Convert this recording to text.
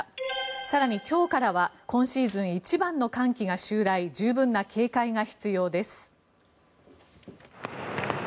更に今日からは今シーズン一番の寒気が襲来十分な警戒が必要です。